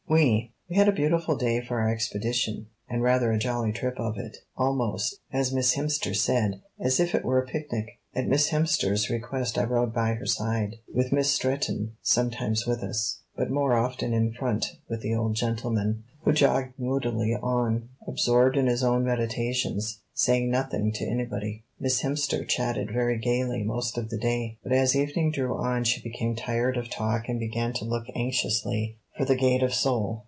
We had a beautiful day for our expedition, and rather a jolly trip of it, almost, as Miss Hemster said, as if it were a picnic. At Miss Hemster's request I rode by her side, with Miss Stretton sometimes with us, but more often in front, with the old gentleman, who jogged moodily on, absorbed in his own meditations, saying nothing to anybody. Miss Hemster chatted very gaily most of the day, but as evening drew on she became tired of talk and began to look anxiously for the gate of Seoul.